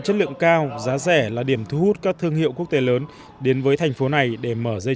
chất lượng cao giá rẻ là điểm thu hút các thương hiệu quốc tế lớn đến với thành phố này để mở dây